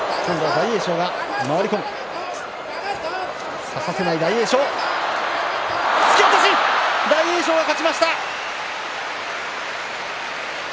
大栄翔が勝ちました。